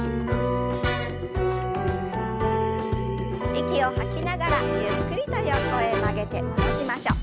息を吐きながらゆっくりと横へ曲げて戻しましょう。